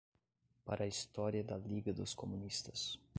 Para a História da Liga dos Comunistas